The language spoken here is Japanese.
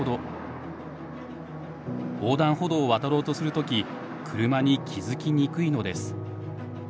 横断歩道を渡ろうとする時車に気付きにくいのです。